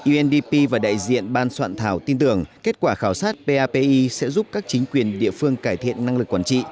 undp và đại diện ban soạn thảo tin tưởng kết quả khảo sát papi sẽ giúp các chính quyền địa phương cải thiện năng lực quản trị